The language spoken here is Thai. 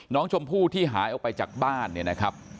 น้องชมพู่ที่หายออกไปจากบ้านเนี่ยนะครับ